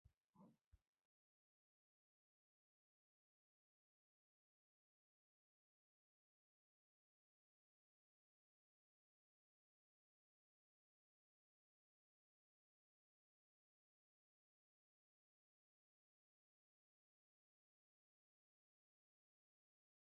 Desde el primer momento, Frank se enamora perdidamente de Tina.